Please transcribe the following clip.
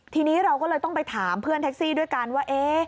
ทีนี้เราก็เลยต้องไปถามเพื่อนแท็กซี่ด้วยกันว่า